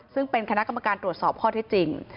ซึ่งเป็นคณะกรรมการตรวจสอบข้อที่จริง